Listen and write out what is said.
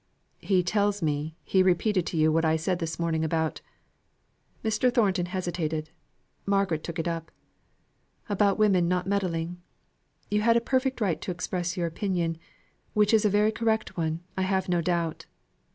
"He tells me, he repeated to you, what I said this morning about ," Mr. Thornton hesitated. Margaret took it up: "About women not meddling. You had a perfect right to express your opinion, which was a very correct one, I have no doubt.